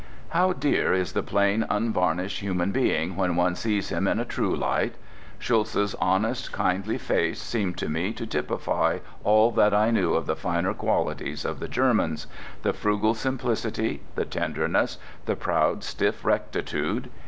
How dear is the plain, unvarnished human being when one sees him in a true light! Schulz's honest, kindly face seemed to me to typify all that I knew of the finer qualities of the Germans; the frugal simplicity, the tenderness, the proud, stiff rectitude.